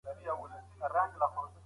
د شکنجې پایلي د ټول عمر لپاره پاته کیږي.